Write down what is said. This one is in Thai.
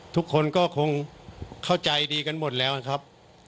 ทุกคนก็คงเข้าใจดีกันหมดแล้วนะครับ